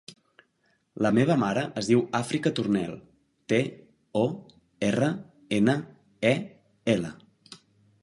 La meva mare es diu Àfrica Tornel: te, o, erra, ena, e, ela.